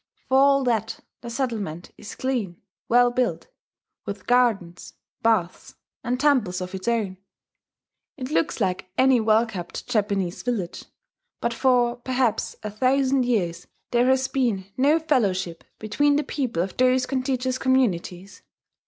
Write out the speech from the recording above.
For all that the settlement is clean, well built, with gardens, baths, and temples of its own. It looks like any well kept Japanese village. But for perhaps a thousand years there has been no fellowship between the people of those contiguous communities....